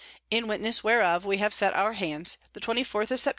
In witness whereof, we have set our Hands, the_ 24_th of_ Sept.